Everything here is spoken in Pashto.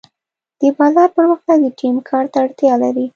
د بازار پرمختګ د ټیم کار ته اړتیا لري.